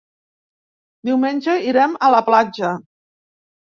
Diumenge irem a la platja.